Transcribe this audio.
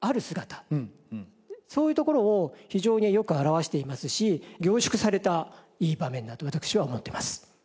そういうところを非常によく表していますし凝縮されたいい場面だと私は思ってます。